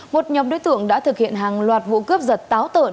một nhóm đối tượng đã thực hiện hàng loạt vụ cướp giật táo tợn